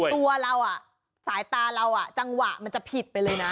ตัวเราสายตาเราจังหวะมันจะผิดไปเลยนะ